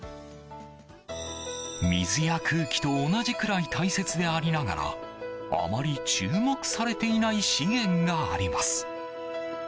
水や空気と同じくらい大切でありながらあまり注目されていない資源があります。